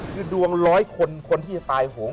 คือดวงร้อยคนคนที่จะตายโหง